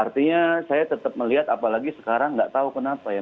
artinya saya tetap melihat apalagi sekarang nggak tahu kenapa ya